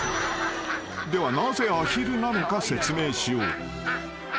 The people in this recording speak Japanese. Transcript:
［ではなぜアヒルなのか説明しよう］